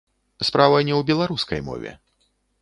Справа не ў беларускай мове.